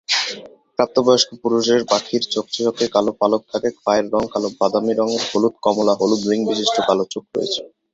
প্রাপ্তবয়স্ক পুরুষের পাখির চকচকে কালো পালক থাকে, পায়ের রং কালো-বাদামী রঙের, হলুদ, কমলা-হলুদ রিং বিশিষ্ট্য কাল চোখ রয়েছে।